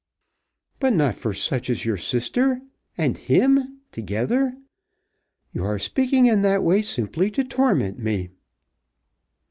"But not for such as your sister, and him together. You are speaking in that way simply to torment me."